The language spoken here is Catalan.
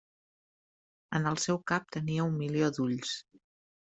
En el seu cap tenia un milió d'ulls.